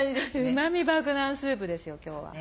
うまみ爆弾スープですよ今日は。